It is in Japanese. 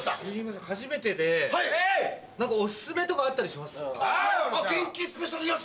初めてで何かオススメとかあったりします？